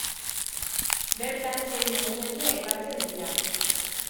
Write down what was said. Bertan sei monumentu aipatzen dira.